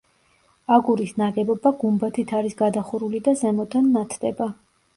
აგურის ნაგებობა გუმბათით არის გადახურული და ზემოდან ნათდება.